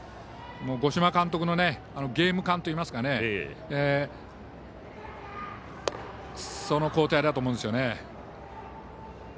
五島監督のゲーム勘といいますかその交代だと思うんですよね。